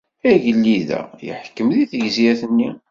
Agellid-a yeḥkem deg tegzirt-nni.